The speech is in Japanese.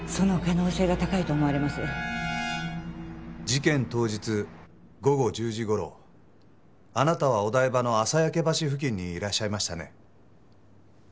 事件当日午後１０時頃あなたはお台場の朝焼け橋付近にいらっしゃいましたね？